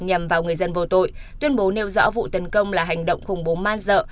nhằm vào người dân vô tội tuyên bố nêu rõ vụ tấn công là hành động khủng bố man dợ